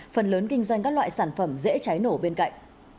phần lớn kinh doanh các loại sản phẩm dễ cháy nổ bên cạnh